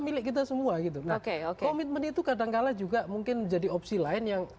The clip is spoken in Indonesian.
milik kita semua gitu oke oke komitmen itu kadangkala juga mungkin jadi opsi lain yang